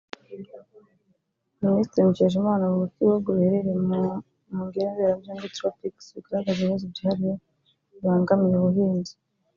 Minisitiri Mukeshimana avuga ko ibihugu biherereye mu ngere mberabyombi (tropiques) bigaragaza ibibazo byihariye bibangamiye ubuhinzi